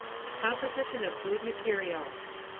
32 COMPOSITION OF FOOD MATERIALS.